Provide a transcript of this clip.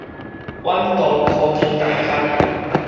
遠東科技大學